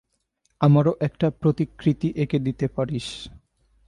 আমারও একটা প্রতিকৃতি এঁকে দিতে পারিস।